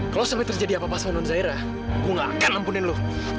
kalau sampai terjadi apa apa sama non zaira gue gak akan nampunin lu